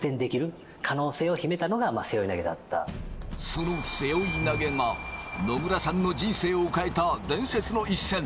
その背負投が、野村さんの人生を変えた伝説の一戦。